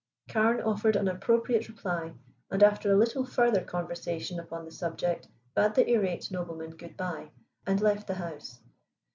Carne offered an appropriate reply, and after a little further conversation upon the subject, bade the irate nobleman good bye and left the house.